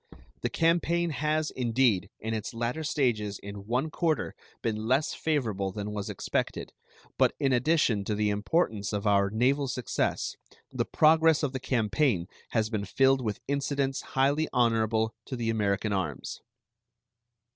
The campaign has, indeed, in its latter stages in one quarter been less favorable than was expected, but in addition to the importance of our naval success the progress of the campaign has been filled with incidents highly honorable to the American arms.